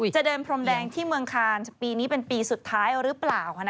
จะเดินพรมแดงที่เมืองคานปีนี้เป็นปีสุดท้ายหรือเปล่า